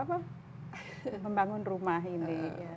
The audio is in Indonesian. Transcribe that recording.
seperti membangun rumah ini